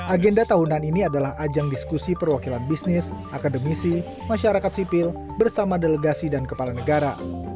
agenda tahunan ini adalah ajang diskusi perwakilan bisnis akademisi masyarakat sipil bersama delegasi dan kepala negara